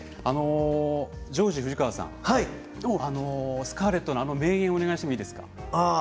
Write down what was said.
ジョージ富士川さん「スカーレット」の名言お願いしてもいいですか。